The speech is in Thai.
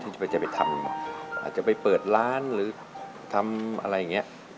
จะไปทำอาจจะไปเปิดร้านหรือทำอะไรอย่างนี้